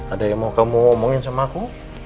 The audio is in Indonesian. ada yang mau kamu omongin sama aku